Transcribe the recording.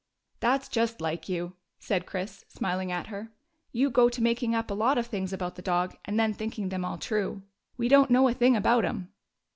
"That 's just like you," said Chris, smiling at her. " You go to making up a lot of things about the dog, and then thinking them all true. We don't know a thing about him."